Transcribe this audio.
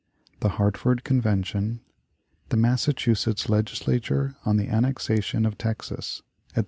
The Hartford Convention. The Massachusetts Legislature on the Annexation of Texas, etc.